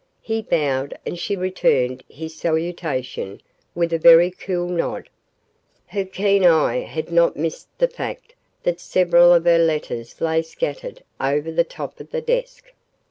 He bowed and she returned his salutation with a very cool nod. Her keen eye had not missed the fact that several of her letters lay scattered over the top of the desk.